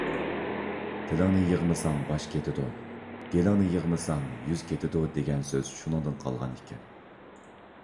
«تىلىڭنى يىغمىساڭ، باش كېتىدۇ. گېلىڭنى يىغمىساڭ، يۈز كېتىدۇ» دېگەن سۆز شۇنىڭدىن قالغان ئىكەن.